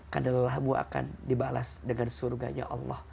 karena lelahmu akan dibalas dengan surganya allah